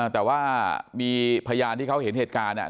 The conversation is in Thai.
แต่ว่ามีพยานที่เขาเห็นเหตุการณ์